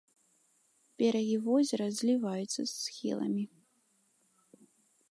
Берагі возера зліваюцца з схіламі.